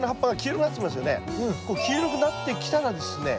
黄色くなってきたらですね